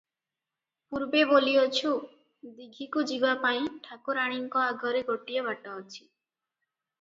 ପୂର୍ବେ ବୋଲିଅଛୁ; ଦୀଘିକୁ ଯିବାପାଇଁ ଠାକୁରାଣୀଙ୍କ ଆଗରେ ଗୋଟିଏ ବାଟ ଅଛି ।